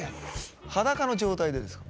裸の状態でですか？